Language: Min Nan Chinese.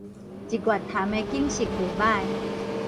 日月潭的景色袂䆀